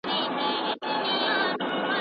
آیا ځوان سړی تر تجربه لرونکي ډیر زیان ویني؟